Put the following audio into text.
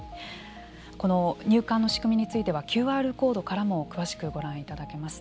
この入管の仕組みについてはＱＲコードからも詳しくご覧いただけます。